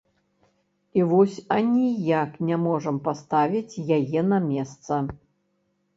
І вось аніяк не можам паставіць яе на месца.